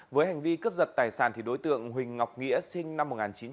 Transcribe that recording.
với hành vi cướp giật tài sản đối tượng huỳnh ngọc nghĩa sinh năm một nghìn chín trăm tám mươi